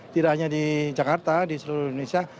tidak hanya di jakarta di seluruh indonesia